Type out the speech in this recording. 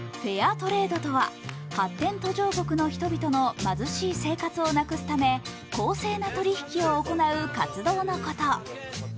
トレードとは、発展途上国の人々の貧しい生活をなくすため、公正な取り引きを行う活動のこと。